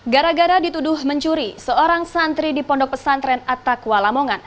gara gara dituduh mencuri seorang santri di pondok pesantren atakwa lamongan